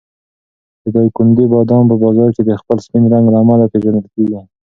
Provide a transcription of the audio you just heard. د دایکنډي بادام په بازار کې د خپل سپین رنګ له امله پېژندل کېږي.